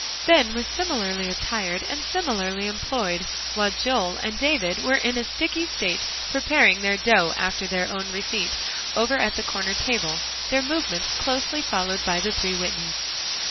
Ben was similarly attired, and similarly employed; while Joel and David were in a sticky state, preparing their dough after their own receipt, over at the corner table, their movements closely followed by the three Whitneys.